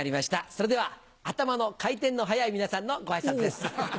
それでは頭の回転の速い皆さんのご挨拶です。